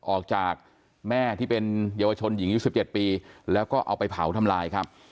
ออกจากแม่ที่เป็นเยาวชนหญิงอายุ๑๗ปีแล้วก็เอาไปเผาทำลายครับ